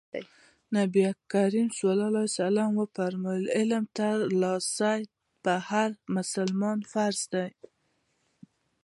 نبي کريم ص وفرمايل علم ترلاسی په هر مسلمان فرض دی.